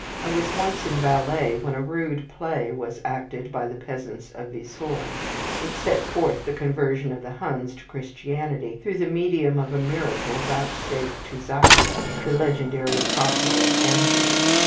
I was once in Valais when a rude play was acted by the peasants of Vissoye. It set forth the conversion of the Huns to Christianity through the medium of a miracle vouchsafed to Zacheo, the legendary apostle of Anniviers.